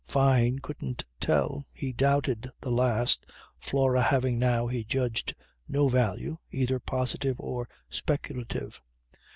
Fyne couldn't tell. He doubted the last, Flora having now, he judged, no value, either positive or speculative.